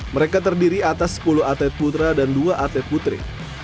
mereka terdiri atas sepuluh atlet putra dan dua atlet putri